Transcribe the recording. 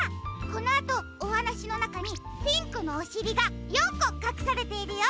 このあとおはなしのなかにピンクのおしりが４こかくされているよ。